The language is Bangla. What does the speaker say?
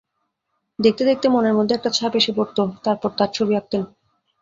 দেখতে দেখতে মনের মধ্যে একটা ছাপ এসে পড়ত, তারপর তাঁর ছবি আঁকতেন।